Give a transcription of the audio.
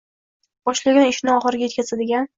boshlagan ishini oxiriga yetkazadigan